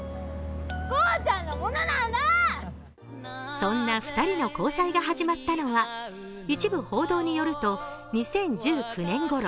そんな２人の交際が始まったのは、一部報道によると２０１９年ごろ。